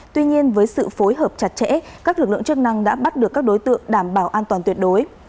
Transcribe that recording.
tuy nhiên với sự phối hợp chặt chẽ các lực lượng chức năng đã bắt được các đối tượng đảm bảo an toàn tuyệt đối